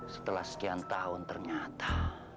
setelah sekian tahun ternyata